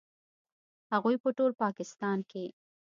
هغوی په ټول پاکستان کې